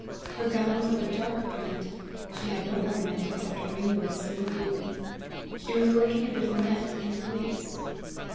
Her gown was of a dark print; she had no ornament except a ring with a single ruby. She was working a bit of net into lace.